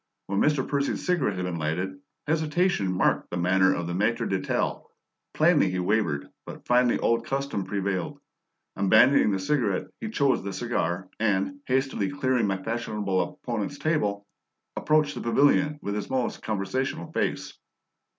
When Mr. Percy's cigarette had been lighted, hesitation marked the manner of our maitre d'hotel; plainly he wavered, but finally old custom prevailed; abandoning the cigarette, he chose the cigar, and, hastily clearing my fashionable opponent's table, approached the pavilion with his most conversational face.